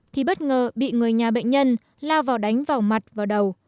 thì bất ngờ bị người nhà bệnh nhân lao vào đánh vào mặt vào đầu